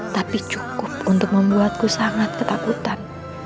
tapi cukup untuk membuatku sangat ketakutan